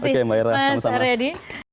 terima kasih mas reddy